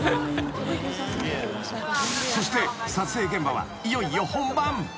［そして撮影現場はいよいよ本番］